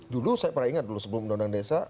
dulu saya pernah ingat dulu sebelum undang undang desa